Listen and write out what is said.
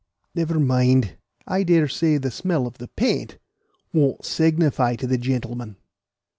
"Never mind; I dare say the smell of the paint won't signify to the gentlemen."